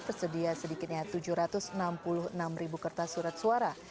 tersedia sedikitnya tujuh ratus enam puluh enam ribu kertas surat suara